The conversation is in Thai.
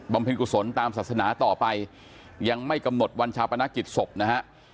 เพ็ญกุศลตามศาสนาต่อไปยังไม่กำหนดวันชาปนกิจศพนะฮะ